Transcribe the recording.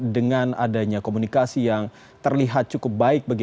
dengan adanya komunikasi yang terlihat cukup baik